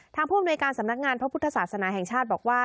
ผู้อำนวยการสำนักงานพระพุทธศาสนาแห่งชาติบอกว่า